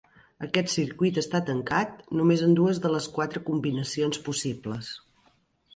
Aquest circuit està tancat només en dues de les quatre combinacions possibles.